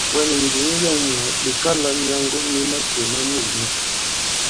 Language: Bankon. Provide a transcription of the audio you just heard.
Wɛ̀ nì ǹndǐŋ yɔ̂ŋ mwǎ ɓe kalā myàŋgo mi màkè ma mût nīk.